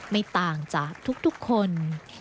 ไม่ต่างจากทุกคน